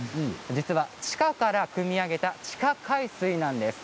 実は地下からくみ上げた地下海水なんです。